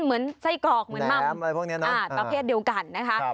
เหมือนกรอกเหมือนหม่ำประเภทเดียวกันนะ